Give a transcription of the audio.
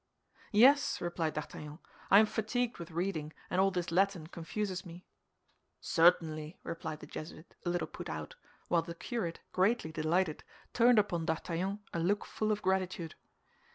"Yes," replied D'Artagnan; "I am fatigued with reading, and all this Latin confuses me." "Certainly," replied the Jesuit, a little put out, while the curate, greatly delighted, turned upon D'Artagnan a look full of gratitude.